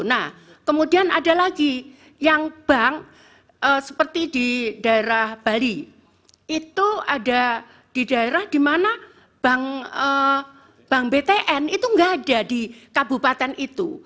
nah kemudian ada lagi yang bank seperti di daerah bali itu ada di daerah di mana bank btn itu nggak ada di kabupaten itu